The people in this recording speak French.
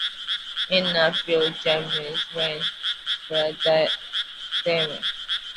Il ne faut jamais rien faire à demi.